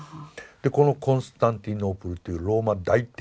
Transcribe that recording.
でこのコンスタンティノープルというローマ大帝国。